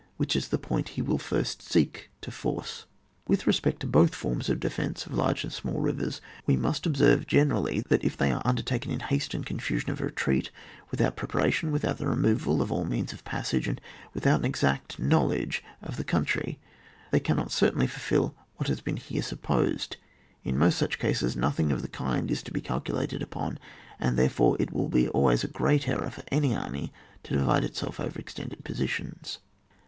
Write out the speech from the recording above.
Which is the point he will first seek to force ? With respect to both forms of defence of large and small rivers, we must ob serve generally, that if they are under* taken in the haste and confusion of a retreat, without preparation, without the removal of all means of passage, and without an exact knowledge of the country, they cannot certainly fulfil what has been here supposed; in most such cases, nothing of the kind is to be calcu lated upon; and therefore it will be always a great error for an army to divide itself over extendiBd positions.